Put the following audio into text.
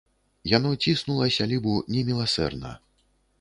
Яно ціснула сялібу неміласэрна.